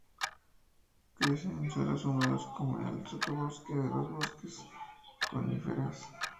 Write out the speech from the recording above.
Crece en suelos húmedos, como en el sotobosque de los bosques de coníferas.